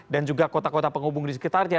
dan juga kota kota penghubung di sekitarnya